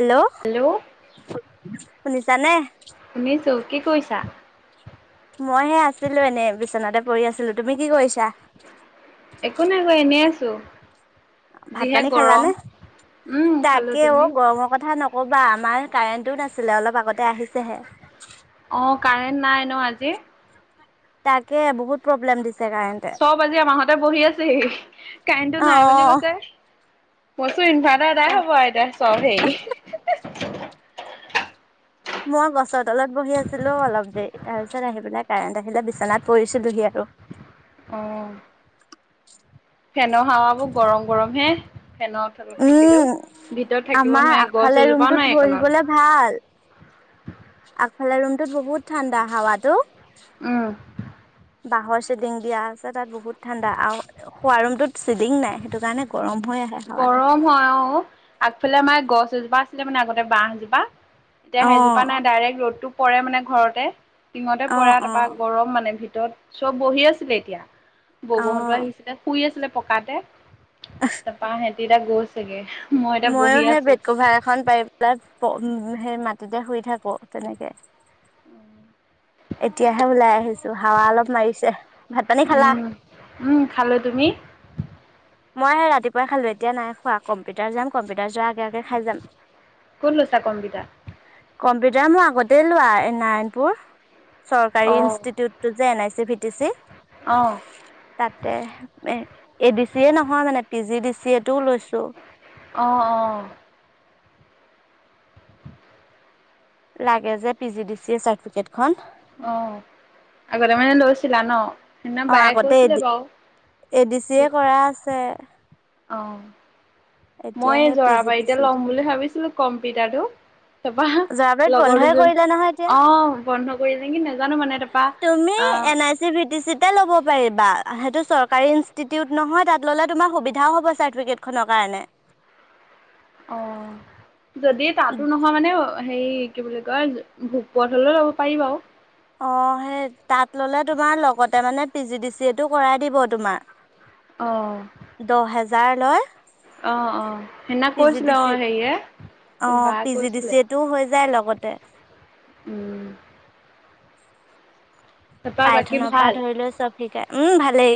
ইল্ল', hello, শুনিছা নে? শুনিছো কি কইছা? মই হে আছিলোঁ এনেই বিছনাতে পৰি আছিলোঁ তুমি কি কৰিছা? একো নাই মই এনেই আছোঁ। ভাত পানী খালানে? উম খালো তাকে তুমি অহ, গৰমৰ কথা নক ক'বা আমাৰ কাৰেণ্টেতোও নাছিলে অলপ আগতে আহিছেহে। অ, কাৰেণ্ট নাই ন' আজি? তাকে বহুত প্ৰব্লেম দিছে কাৰেন্ট। চব আজি আমাৰ ঘৰতে বহি আছে সি কাৰেণ্টো নাই বুলি অ' কৈছে কৈছো ইনভাৰ দাদাই তাক হ'ব আ এতিয়া চব হেই। মই গছৰ তলত বহি আছিলোঁ অলপ দেৰি তাৰ পিছত আহি পেলাই কাৰেণ্ট আহিলে বিছনাত পৰিছো [unintelligible] উম, ফেনৰ হাৱাবোৰ গৰম- গৰম হে ফেনত। তলত থাকিলেও উম, ভিতৰত থাকিব আমাৰ নোৱাৰি গছ আগফালে এজোপাও ৰুমটোত নাই একোনো। বহিবলে ভাল আগফালে ৰুমটোত বহুত ঠাণ্ডা হাৱাতো। উম, বাঁহৰ চেডিং দিয়া আছে তাত বহুত ঠাণ্ডা আওঁ শুৱা ৰুমতটোত চিডিং নাই সেইটো কাৰণে গৰম হৈ আহে। হাৱাটো গৰম হয় অহ, আগফালে আমাৰ গছ এজোপা আছিলে মানে আগতে বাঁহ এজোপা। এতিয়া অ সেইজোপা নাই ডাইৰেক্ট ৰ'দটো পৰে মানে ঘৰতে। টিঙতে অ পৰে আৰু অ তাৰপা গৰম মানে ভিতৰত চব বহি আছিলে এতিয়া অ বগহঁটো পৰা আহিছে। এ শুই আছিলে পকাতে। [unintelligible] তাপা হেহঁতি এতিয়া গৈছ চাগে মত ময়ো সেই বেড কভাৰ এখন পাৰি পেলাই উম, সেই মাটিতে শুই থাকো তেনেকে। এতিয়াহে ওলাই আহিছো হাৱা অলপ মাইছে। ভাত পানী খালা? উম উম খালো তুমি মই সে ৰাতিপুৱাই খালো এতিয়া নাই খোৱা কম্পিউটাৰ যাম কম্পিউটাৰ যোৱাৰ আগে- আগে খাই যাম। [inaudible] কোন লৈছা কম্পিউটা? কম্পিউটাৰ মই আগতেই লোৱা এই নাৰায়ণপুৰ। অ চৰকাৰী ইনষ্টিটিউটটো যে N I C V T C. অ তাতে এ এ ডি চি এ নহয় মানে P G D C A টোও লৈছো। অ', অ', লাগে যে P G D C A certificate খন। অ, আগতে মানে লৈছিলা ন? সিদনা অ বায়ে আগতে কৈচিলে বাওঁ এ ডি [unintelligible] আছে। অ, এতিয়া মই এ সেই পি জি ডি চি জৰাবাৰীতে এ ল'ম বুলি ভাবিছিলোঁ কম্পিটাৰটো। যোৱাবাৰত তাৰপা লগৰ বন্ধই দুজনী কৰিলে নহয় এতিয়া অ, বন্ধ কৰি যে কি নাজানো মানে তাৰপা তুমি অ, N I C B T চিতে ল'ব পাৰিবা সেইটো চৰকাৰী ইনষ্টিটিউট নহয় তাত ল'লে তোমাৰ সুবিধাও হ'ব চাটিফিকেট খনৰ কাৰণে। অ, যদি তাতো নহয় মানে অ অ, হেইকি বুলি কয় ভোক পোৱাত হ'লেও লব পাৰি বাৰু। অ, সেই তাত ল'লে তোমাৰ লগতে মানে পি জি ডি চি এটো কৰাই দিব তোমাৰ। অহ। দহ হেজাৰ লয়। অ, অ সেইদিনা পি জি ডি কৈছিলে চি অ' হেৰিয়ে বা কৈছিলে। টো হৈ যায় লগতে। উম। তাৰপা বাকী পাইথনৰ ভাল পৰা ধৰি লও চব শিকাই উম ভালেই।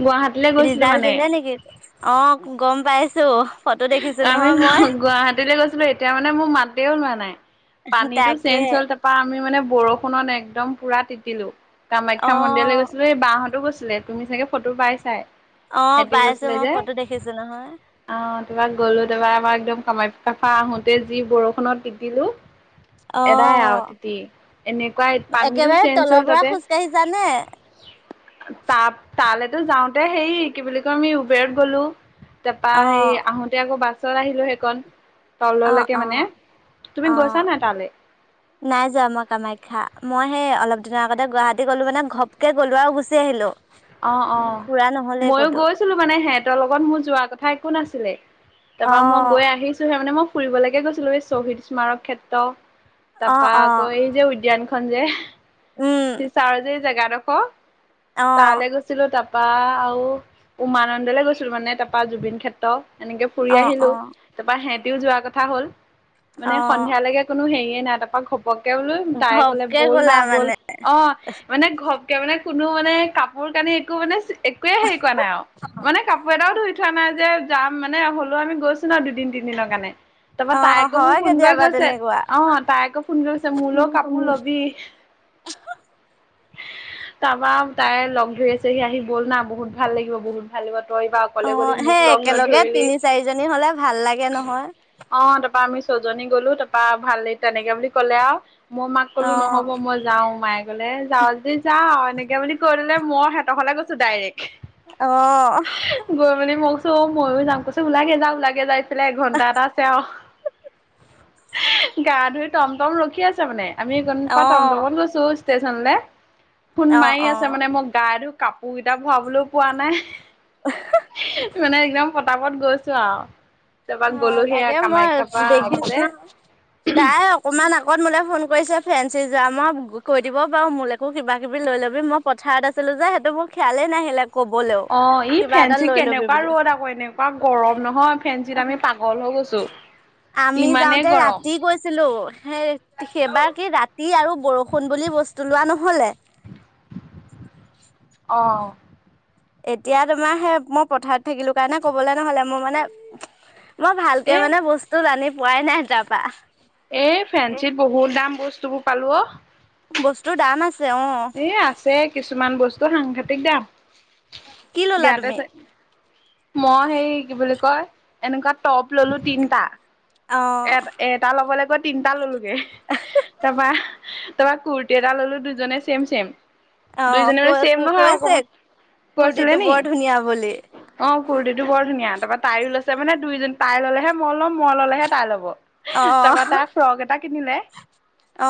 গুৱাহাটী। ৰিজাল্ট দিলে নেকি অ, গম পাইছো। ফটো দেখিছো আমি নহয় মই গুৱাহাটীলৈ গৈছিলো এতিয়া মানে মোৰ মাতেও লোৱা নাই। পানী টো তাকে চেঞ্জ হ'ল তাৰ তপা আমি মানে বৰষুণত একদম পুৰা তিতিলো, কামাখ্যা মন্দিৰলৈ অ' গৈছো। এই বাহঁতো গৈছিলে তুমি চাগে ফটো পাই চাই। অ' পাই আছো মই ফটো দেখিছো নহয়। অ' তাৰপা গ'লো। তাৰপা আমাৰ একদম কামাখ্যা পৰা আহোতে যি বৰষুণত তিতিলো। এদাই অ' আৰু তিতি এনেকুৱাই পানীটো একেবাৰে চেঞ্জ তলৰ হ'ল পৰা তাতে। খোজ কাঢ়িছানে? ত তালেতো যাওঁতে হেই কি বুলি কয় আমি উবেৰত গ'লো। তাৰপা হে অ' আহোতে আকৌ বাছত আহিলো সেইকণ। অ' তললৈকে মানে অ' তুমি অ' গৈছা নাই তালে। নাই যোৱা মই কামাখ্যা মই সেই অলপ দিনৰ আগতে গুৱাহাটী গলো মানে ঘপকে গ'লো আৰু গুচি আহিলো। অ, অ ফুৰা নহ'লে মইো ক'তো গৈছিলো মানে সিহঁতৰ লগত মোৰ যোৱাৰ কথা একো নাছিলে। তাৰপৰা মই অ' গৈ আহিছোহে মানে মোক। ফুৰিবলৈকে গৈছিলো এই শ্বহীদ স্মাৰক ক্ষেত্ৰ। অ' তাৰাপা অ' আকৌ এই যে উদ্যান উদ্যান খন যে উম চিচাৰ যে জেগা ডোখৰ। অ' তালৈ গৈছিলো তাৰপা আৰু উমানন্দলে গৈছিলো মানে তাৰাপা জুবিন ক্ষেত্ৰ এনেকে ফুৰি অ' আহিলো অ' তাৰপা সিহঁতিও যোৱা কথা হ'ল। মানে অ' সন্ধিয়ালৈকে কোনো হেৰিয়ে নাই তাৰপৰা ঘপককে বোলো তাই ক'লে ঘপকে ব'ল গ'লা না ব'ল। মানে অ, মানে ঘপকে মানে কোনো মানে কাপোৰ-কানি একো মানে একোৱে হেৰি কৰা নাই আৰু মানে কাপোৰ এটাও ধুই থোৱা নাই যে। যাম মানে হ'লেও আমি গৈছো ন দুদিন, তিনিদিনৰ কাৰণে। তাৰপৰা তাই অ' আকৌ মোক হয় ফোন কৰি কেতিয়াবা কৈছে তেনেকুৱা। অ' তাই আকৌ ফোন কৰি কৈছে মোলৈ কাপোৰ অ লবি। [unintelligible] তাৰপা তাই লগ ধৰি আছেহি আহি ব'ল না বহুত ভাল লাগিব বহুত ভাল লাগিব। তই ইবাৰ অকলে গলি মোক সেই লগ একেলগে নধৰিলি। তিনি চাৰিজনী হলে ভাল লাগে নহয় অ' তাৰপা আমি ছজনী গলো তাৰপা ভাল তেনেকে বুলি কলে আৰু মই মাক অ ক'লো নহ'ব মই যাও মায়ে কলে যাও যদি যা আৰু এনেকে বুলি কৈ দিলে। মই হেতঁৰ ঘৰলে গৈছো ডাইৰেক্ট। অ'। গৈ মানে মোক চ ময়ো যাম কৈছে ওলাগে যা, ওলাগে যা। বোলে এঘন্টা এটা আছে আৰু গা ধুই টম, টম ৰখি আছে মানে। আমি গপ অ টাউনত গৈছো ষ্টেচনলে ফোন অ মাৰি অ আছে মানে মোক তাইটো কাপোৰ কেইটা ভৰাবলৈ পোৱা নাই। মানে একদম ফটাফত গৈছ তাৰপা হয় গ'লো সেয়া তাকে মই কামাখ্যা পৰা দেখিছো আহোতে ন তাই অকমান আগত মোলে ফোন কৰিছে ফ্ৰেন্সি যাম আৰু মই কৈ দিব পাৰো মোলে আকৌ কিবা কিবি লৈ ল'বি। মই পথাৰত আছিলো যে সেইটো মোৰ খিয়ালেই নাহিলে। কবলৈও অ, ই কিবা এটা ফেঞ্চি লৈ লবি কেনেকুৱা বুলি ৰ'দ আকৌ এনেকুৱা গৰম নহয়। ফেঞ্চিত আমি পাগল হৈ গৈছো। আমি ইমানেই যাওঁতে গৰম ৰাতি গৈছিলো। হেই সেইবাৰ কি ৰাতি আৰু বৰষুণ বুলি বস্তু লোৱা নহ'লে। অ'। এতিয়া তোমাৰ সেই মই পথাৰত থাকিলো কাৰণে কবলৈ নহ'লে। মোৰ মানে মই ভালকে এ মানে বস্তু আনি পোৱাই নাই তাৰপা। এ ফেঞ্চিত বহুত দাম বস্তু বোৰ পালো অ। বস্তু দাম আছে অ, এই আছে কিছুমান বস্তু সাংঘাতিক দাম। কি ললা ইয়াতে তুমি চে মই সেই কি বুলি কয় এনেকুৱা টপ ল'লো তিনটা অ এট এ এটা ল'বলে গৈ তিনটা ল'লোগে তাৰপা- তাৰপা কুুৰ্তি এটা ল'লো দুজনে ছেম- ছেম অ দুইজনীৰে মানে কৈ ছেম নহয় কৈছে অকমা কুৰ্তিটো কৈছিলে নি? বৰ ধুনীয়া বুলি অ, কুৰ্তিটো বৰ ধুনীয়া তাৰপৰা তাইও লৈছে মানে দুইজনী তাই ললেহে মই লম মই ললেহে তাই ল'ব। অ তাৰপা তা ফ্ৰক এটা কিনিলে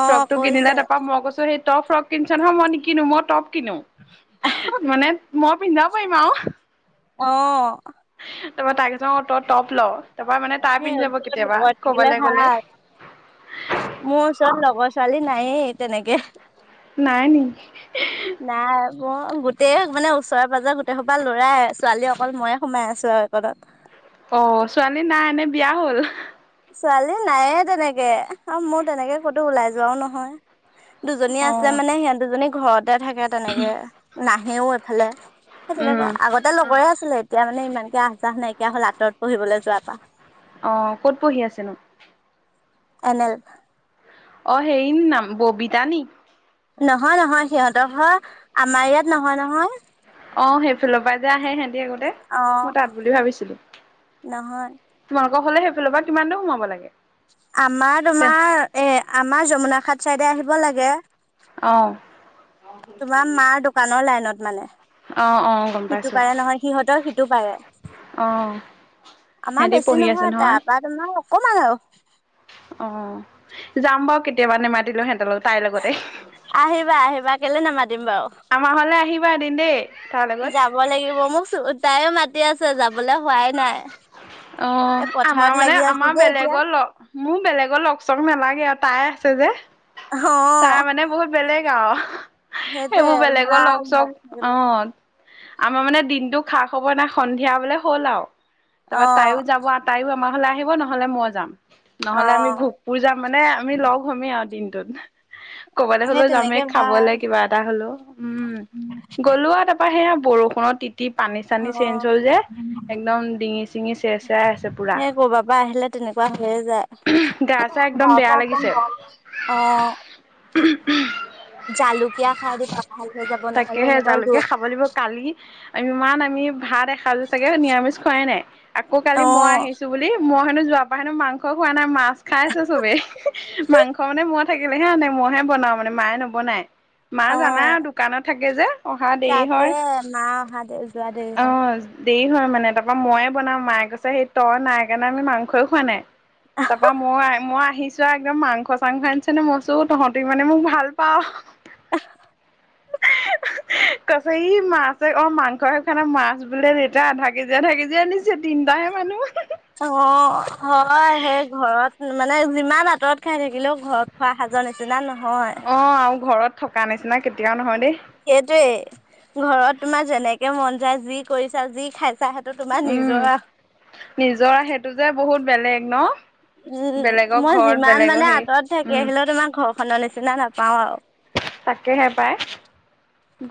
অ ফ্ৰক টো কৈছে কিনিলে তাৰপা মই কৈছো সেই তই ফ্ৰক কিনিছ নহয় মই নিকিনো মই টপ কিনো মানে মই পিন্ধি যাব পাৰিম আও। অ তাৰপা তাই কৈছে অ, তই টপ ল' তাৰ পা মানে তাই সেই পিন্ধি যাব ওচৰত কেতিয়াবা লগৰ থাকিলে কবালে গ'লে। ভাল মোৰ ওচৰত লগৰ ছোৱালী নায়ে তেনেকে। নাই নি [unintelligible] নাই মোৰ গোটেই মানে ওচৰেৰে পাঁজৰে গোটেই সোপা লৰাই ছোৱালী অকল ময়ে সোমাই আছো আৰু একণত। অ, ছোৱালী নাই নে বিয়া হ'ল? ছোৱালী নায়ে তেনেকে আৰু মোৰ তেনেকে ক'তো ওলাই যোৱাও নহয়। দুজনী অ আছে মানে সিহঁত দুজনী ঘৰত তে থাকে তেনেকে নাহেও এইফালে সেই উম তেনেকুৱা আগত তে লগৰে আছিলে এতিয়া মানে ইমানকে আহ যাহ নাইকিয়া হল আঁতৰত পঢ়িবলৈ যোৱাৰ পা। অ, ক'ত পঢ়ি আছেনো? এনেল অ, হেইৰ ন নাম ববিতা নি? নহয়- নহয় সিহঁতৰ হয় আমাৰ ইয়াত নহয়- নহয়। অ, সেইফালৰ পৰা যে আহে সিহঁতি আগতে অ মই তাত বুলি ভাবিছিলোঁ। নহয় তোমালোকৰ ফালে সেইফালৰ পৰা কিমান দূৰ সোমাব লাগে? আমাৰ চে তোমাৰ এ আমাৰ যমুনা খাট চাইডে আহিব লাগে অ', তোমাৰ মা দোকানৰ লাইনত মানে? অ অ গম সিটো পাইছো পাৰে নহয় সিহঁতৰ সিটো পাৰে। অ আমাৰ সিহঁতি বেছি পঢ়ি আছে নহয় তাপা তোমাৰ অকমান আওঁ। অ, যাম বাৰু কেতিয়াবা নেমাতিলেওঁ সিহঁতৰ লগত তাইৰ লগতে,। আহিবা -আহিবা কেলে নামাতিম বাও আমাৰ ঘৰলে আহিবা এদিন দেই? তাৰ লগত যাব লাগিব মোক তাইও মাতি আছে যাবলে হোৱাই নাই। অ, এই পথাৰত আমাৰ মানে লাগি আছো আমাৰ যে এতিয়া বেলেগৰ লগ মোৰ বেলেগৰ লগ চগ নেলাগে আৰু তাই আছে যে। তাৰ অ' মানে বহুত বেলেগ আও। সেইটোৱে সেইবোৰ বেলেগৰ ভাল লগ চক অ, থাকিলে। আমাৰ মানে দিনটো খা খবৰ নাই সন্ধিয়া বোলে হ'ল আওঁ তাপা অ' তাইও যাব তাইও আমাৰ ঘৰলে আহিব নহলে মই যাম নহলে আমি অ' ভোগপুৰ যাম মানে আমি লগ হমে আওঁ দিনটোত। ক'বাতে সেই হলেও যামেই তেনেকে ভাল খাবলে কিবা এটা হলো উম, গ'লো আৰু তাৰ অ, সেয়া বৰষুণত তিতি পানী চানি চেঞ্জ অ' হ'ল যে একদম ডিঙি -চিঙি চেৰ -চেৰাই আছে পুৰা। সেই কৰবাৰ পৰা আহিলে তেনেকুৱা হৈয়ে যায়। গা চা একদম বেয়া লাগিছে অ' [unintelligible] জালুকীয়া খাই দিবা ভাল হৈ যাব নহ'লে তাকেহে এনেকুৱা জালুকে ৰ খাব লাগিব কালি ইমান আমি ভাত এসাজু চাগে নিৰামিষ খোৱাই নাই আকৌ কালি মই অ' আহিছ ছো বুলি মই হেনো যোৱা পা হেনো মাংস খোৱা নাই মাছ খাই আছে চবেই মাংস মানে মই থাকিলেহে আনে মইহে বনাও মানে মায়ে নবনাই মাই জানাই অ' আৰু দোকানত থাকে যে, অহা দেৰি তাকে হয়। মা অহা দেৰি যোৱা দেৰি হয়। অ'। দেৰি হয় মানে। তাৰপা মইয়ে বনাওঁ। মাই কৈছে হেৰি তই নাই কাৰণে আমি মাংসই খোৱা নাই। তাৰপা মই- মই আহি চোৱা একদম মাংস - চাংস আনিছে নে, মই কৈছোঁ তহঁতি মানে মোক ভাল পাওঁ। [unintelligible] [inaudible] কৈছে ই মাছে- অ' মাংসহে খোৱা নাই। মাছ বোলে দেউতাই আধা কেজি - আধা কেজি আনি ছে। তিনটাহে মানুহ, হঁ-হঁ-হঁ। অ' হয়। সেই ঘৰত মানে যিমান আঁতৰত খাই থাকিলেও ঘৰত খোৱা সাজৰ নিচিনা নহয়। অ' আৰু ঘৰত থকা নিচিনা কেতিয়াও নহয় দেই। সেইটোৱে। ঘৰত তোমাৰ যেনেকে মন যায়, যি কৰিছা, যি খাই ছা, সেইটো তোমাৰ উম। নিজৰ আও নিজৰ সেইটো যে বহুত বেলেগ, ন'? উম, বেলেগৰ মই ঘৰত যিমান বেলেগৰ মানে হেৰি আঁতৰত থাকি উম। আহিলেও, তোমাৰ ঘৰখনৰ নিচিনা নাপাওঁ আও। তাকেহে পাই।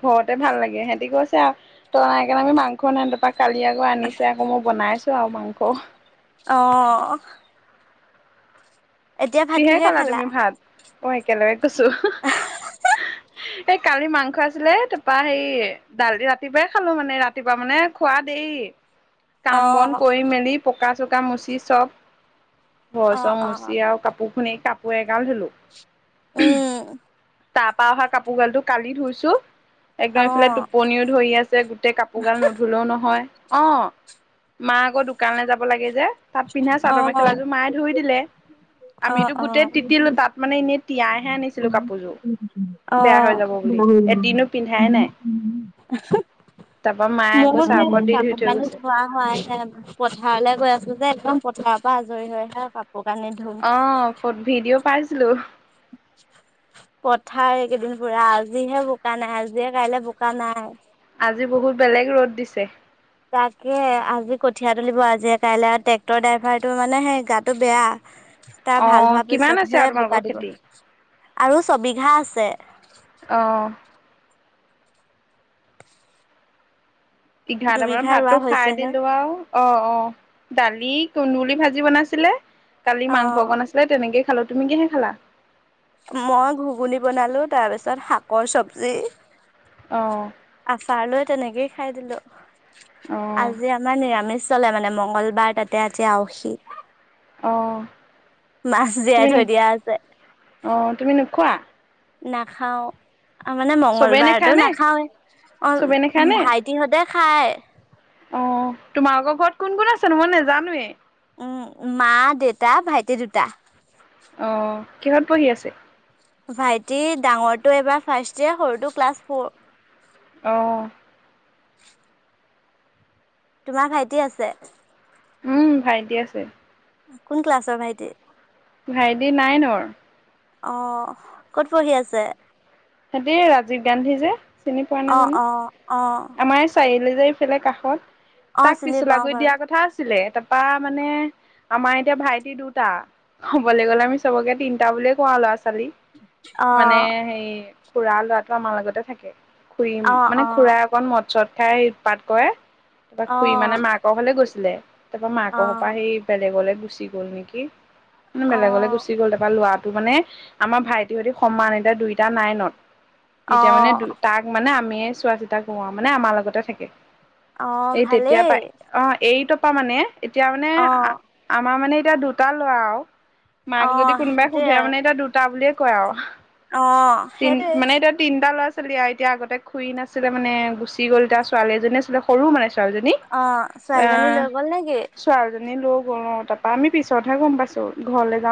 ঘৰতে ভাল লাগে। সেহতি কৈছে আৰু, তই নাই কাৰণে আমি মাংস নাই কালি আকৌ আনিছে। আকৌ মই বনাইছোঁ আৰু মাংস। অ'। কিহে খালা তুমি ভাত? অ' একেলগে কৈছোঁ। এই কালি মাংস আছিলে, তাপা হেৰি দালি ৰাতিপুৱাই খালোঁ মানে, ৰাতিপুৱা মানে খোৱা দেৰি অ কাম-বন কৰি মেলি, পকা-চকা মুচি চব অ ঘৰ-চৰ অ মচি আৰু পুখুৰীত কাপোৰ এগাল ধুলোঁ। উম। তাৰপা অহা কাপোৰ গালটো কালি ধুইছোঁ। একদম অ এইফালে টোপনিও ধৰি আছে, গোটেই কাপোৰগাল নুধুলও নহয়। অ', মা আকৌ দোকানলে যাব লাগে যে, তাত পিন্ধা চাদৰ মেখেলাযোৰ মায়ে ধুই দিলে। [inaudible] অ' আমিতো - অ', অ'। গোটেই তিতিলো [unintelligible] তাত মানে এনেই তিয়াইহে আনিছিলো কাপোৰযোৰ বেয়া হৈ [unintelligible] যাব বুলি এদিনো পিন্ধাই নাই তাৰপা মায়ে আকৌ চাৰ্ফত দি ধুই থৈ গৈছে হয়, এতিয়া পথাৰলে গৈ আছোঁ যে। একদম পথাৰৰ পৰা আজৰি হৈ হে কাপোৰ কানি ধুম অ' ফ- ভিডিঅ' পাইছিলোঁ। [unintelligible] পথাৰ একেইদিন পুৰা। আজিহে বোকা নাই। আজিয়ে কাইলে বোকা নাই। আজি বহুত বেলেগ ৰ'দ দিছে। তাকে, আজি কঠিয়া তুলিব আজিয়ে কাইলৈ আৰু ট্ৰেক্টৰ ড্ৰাইভাৰটো মানে সেই গাটো বেয়া। তাৰ অ ভাল হোৱাৰ কিমান আছে পিছতহে আৰু তোমালোকৰ বোকা দিব। খেতি আৰু ছবিঘা আছে। অ'। এঘাৰটামানৰ দুবিঘা ৰোৱা ভাতটো খাই হৈছেহে। দিলোঁ আও। অ' - অ', দালি, কুন্দুলি ভাজি বনাইছিলে। কালি মাংস অ', অকণ আছি লে তেনেকে খালোঁ, তুমি কিহে খালা? মই ঘুগুনী বনালোঁ, তাৰ পিছত শাকৰ চবজি। অ'। আচাৰ লৈ তেনেকেই খাই দিলোঁ। অ আজি আমাৰ নিৰামিষ চলে মানে মংগলবাৰ, তাতে আজি আউসী। অ'। মাছ জীয়াই তুমি থৈ দিয়া আছে। অ তুমি নোখোৱা নাখাওঁ। মানে চবেই মংগলবাৰতো নেখায় নে নাখাওঁৱে, অ' চবেই নেখায় নে ভাইটিহঁতে খায়। অ', তোমালোকৰ ঘৰত কোন - কোন আছেনো মই নেজানোৱে। উম, মা, দেউতা, ভাইটি দুটা। অ', কিহত পঢ়ি আছে? ভাইটি ডাঙৰটো এবাৰ ফাষ্ট ইয়েৰ, সৰুটো ক্লাছ ফ'ৰ। অ'। তোমাৰ ভাইটি আছে? উম, ভাইটি আছে। কোন ক্লাছৰ ভাইটি? ভাইটি নাইনৰ। অ', ক'ত পঢ়ি আছে? সিহঁতে ৰাজীৱ গান্ধী যে, চিনি পোৱা নাই অ জানো। অ অ আমাৰ এই চাৰিআলি যে আছিলে কাষত, অ তাক চিনি পাও পিছলাগুৰিত বাৰু দিয়া কথা আছিলে। তা পা মানে, আমাৰ এতিয়া ভাইটি দুটা। ক'বলৈ গ'লে, আমি চবকে তিনিটা বুলিয়ে কও আৰু, ল'ৰা - ছোৱালী। অ মানে হেৰি, খুৰাৰ ল'ৰাটো আমাৰ লগতে থাকে। অ খুৰীম- মানে অ খুৰা অকণ মদ - চদ খাই উৎপাত কৰে। তা অ খুৰী মানে মাক লে গৈছিলে। তাৰপা মাক অ ঘৰপা সেই বেলেগলে গুচি গ'ল নেকি। অ বেলেগলে গুচি গ'ল। তাপা ল'ৰাটো মানে আমাৰ ভাইটিহতি সমান। এতিয়া দুইটা নাইনত। অ এতিয়া মানে দু- তাক মানে আমিয়ে চোৱা-চিতা কৰোঁ আৰু, মানে আমাৰ লগতে থাকে। অ এই তেতিয়াৰ ভালেই পৰাই- অ' এইটৰ পা মানে, এতিয়া মানে অ আ আমাৰ মানে এতিয়া দুটা ল'ৰা আৰু। মাক অ যদি কোনোবাই সেইটোৱে সোধে আৰু মানে এতিয়া দু টা বুলিয়ে কয় আও। অ'। তিন- সেইটোৱে মানে এতিয়া তিনটা ল'ৰা-ছোৱালী আও। এতিয়া আগতে খুৰী নাছিলে মানে, গুচি গ'ল এতিয়া। ছোৱালী এজনী আছিলে সৰু মানে ছোৱালীজনী। অ ছোৱালীজনী আ- লৈ গ'ল নেকি ছোৱালীজনী লও গ'ল অ' তাত আমি পিছতহে গম পাইছোঁ। ঘৰলে যাও